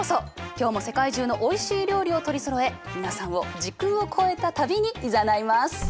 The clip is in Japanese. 今日も世界中のおいしい料理を取りそろえ皆さんを時空を超えた旅にいざないます！